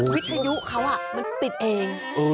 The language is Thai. วิทยุเขามันติดเอง